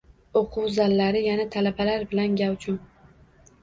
O‘quv zallari yana talabalar bilan gavjum